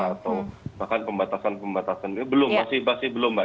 atau bahkan pembatasan pembatasan itu belum masih belum mbak